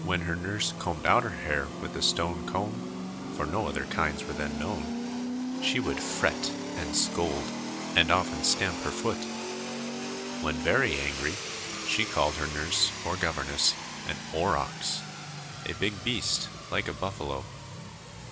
When her nurse combed out her hair with a stone comb for no other kinds were then known she would fret and scold and often stamp her foot. When very angry, she called her nurse or governess an "aurochs," a big beast like a buffalo.